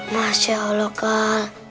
masya allah kal